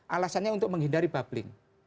alasannya untuk menghindari bubbling